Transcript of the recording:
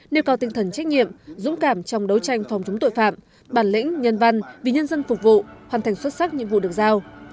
nêu cao tinh thần trách nhiệm dũng cảm trong đấu tranh phòng chống tội phạm bản lĩnh nhân văn vì nhân dân phục vụ hoàn thành xuất sắc nhiệm vụ được giao